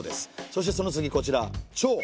そしてその次こちら調。